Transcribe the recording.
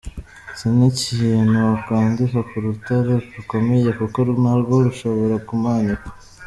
Si n’ikintu wakwandika ku rutare rukomeye kuko narwo rushobora kumanyuka.